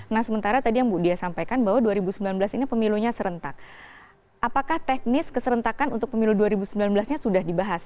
nah sementara tadi yang bu dia sampaikan bahwa dua ribu sembilan belas ini pemilunya serentak apakah teknis keserentakan untuk pemilu dua ribu sembilan belas nya sudah dibahas